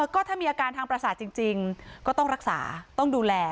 ก็ถ้ามีอาการทางประสาทจริงก็ต้องรักษาต้องดูแล